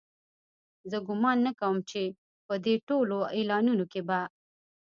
زه ګومان نه کوم چې په دې ټولو اعلانونو کې به.